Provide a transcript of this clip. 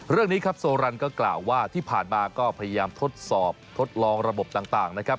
เรื่องนี้ครับโซรันก็กล่าวว่าที่ผ่านมาก็พยายามทดสอบทดลองระบบต่างนะครับ